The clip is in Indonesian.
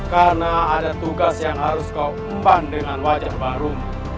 karena ada tugas yang harus kau memban dengan wajah baru